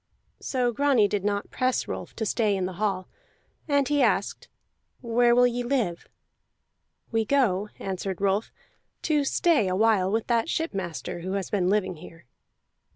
So Grani did not press Rolf to stay in the hall, and he asked: "Where will ye live?" "We go," answered Rolf, "to stay a while with that shipmaster who has been living here."